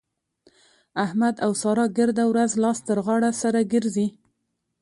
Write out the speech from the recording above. احمد او سارا ګرده ورځ لاس تر غاړه سره ګرځي.